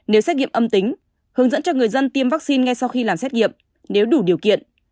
nếu xét nghiệm âm tính hướng dẫn cho người dân tiêm vaccine ngay sau khi làm xét nghiệm nếu đủ điều kiện